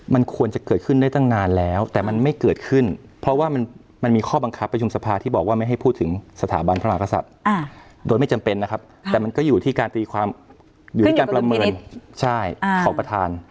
มันควรจะเกิดขึ้นได้ตั้งนานแล้วแต่มันไม่เกิดขึ้นเพราะว่ามันมีข้อบังคับประชุมสภาที่บอกว่าไม่ให้พูดถึงสถาบันพระมหากษัตริย์โดยไม่จำเป็นนะครับแต่มันก็อยู่ที่การตีความอยู่ที่การประเมินใช่ของประธาน